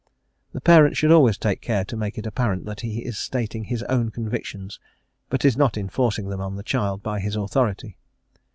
The parent should always take care to make it apparent that he is stating his own convictions, but is not enforcing them on the child by his authority.